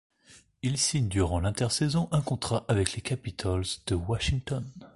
Il signe durant l'intersaison un contrat avec les Capitals de Washington.